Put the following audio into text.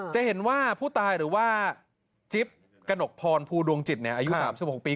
จะเห็นว่าผู้ตายหรือว่าจิ๊บกระหนกพรภูดวงจิตอายุ๓๖ปี